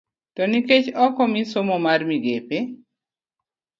To nikech ok omi somo mar migepe e